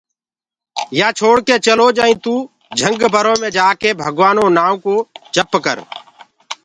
يآ ڇوڙڪي چلوج ائيٚنٚ توٚ جهنگ برو مي جآڪي ڀگوآنو نآئونٚ ڪو جپ ڪر